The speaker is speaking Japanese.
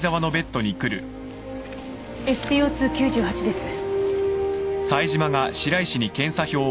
ＳｐＯ２９８です。